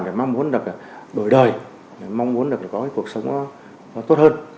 để mong muốn được đổi đời mong muốn được có cuộc sống tốt hơn